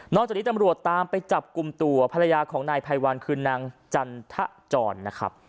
จากนี้ตำรวจตามไปจับกลุ่มตัวภรรยาของนายภัยวันคือนางจันทจรนะครับ